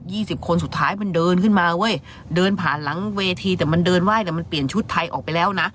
สิบคนสุดท้ายมันเดินขึ้นมาเว้ยเดินผ่านหลังเวทีแต่มันเดินไห้แต่มันเปลี่ยนชุดไทยออกไปแล้วนะ